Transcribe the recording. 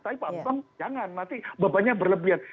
tapi pak anton jangan nanti bebannya berlebihan